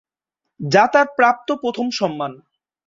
যা তার প্রাপ্ত প্রথম সম্মান।